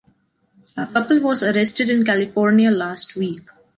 A couple was arrested in California last week.